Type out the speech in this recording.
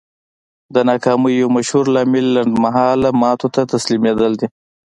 د ناکامۍ يو مشهور لامل لنډ مهاله ماتو ته تسليمېدل دي.